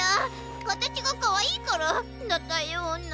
かたちがかわいいからだったような。